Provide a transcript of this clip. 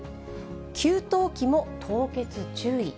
給湯器も凍結注意。